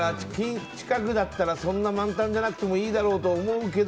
今、高いからそんな満タンじゃなくてもいいだろうと思うけど。